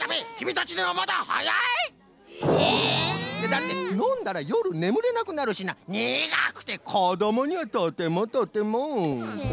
だってのんだらよるねむれなくなるしなにがくてこどもにはとてもとても。